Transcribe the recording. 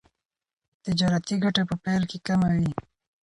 تجارتي ګټه په پیل کې کمه وي.